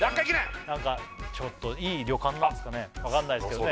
なんかちょっといい旅館なんですかねわかんないですけどね